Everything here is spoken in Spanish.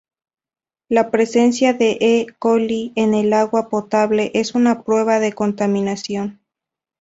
La presencia de E. coli en el agua potable es una prueba de contaminación.